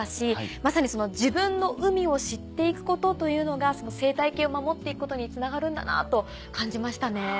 まさにその自分の海を知って行くことというのが生態系を守って行くことにつながるんだなと感じましたね。